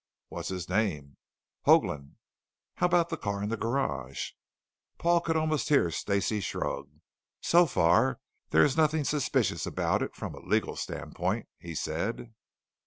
"What's his name?" "Hoagland." "How about the car in the garage?" Paul could almost hear Stacey shrug. "So far, there is nothing suspicious about it from a legal standpoint," he said.